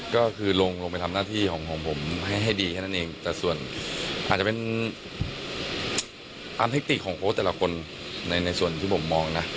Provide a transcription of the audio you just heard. ก็คือลงไปทำหน้าที่ของผมให้ดีแค่นั้นเองแต่ส่วนอาจจะเป็นตามเทคติกของโค้ชแต่ละคนในในส่วนที่ผมมองนะ